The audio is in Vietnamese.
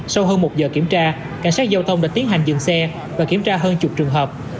sau hơn một giờ kiểm tra cảnh sát giao thông đã tiến hành dừng xe và kiểm tra hơn chục trường hợp